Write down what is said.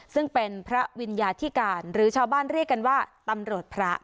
ซึ่งเป็นพระวิญญาธิการหรือชาวบ้านเรียกกันว่าตำรวจพระ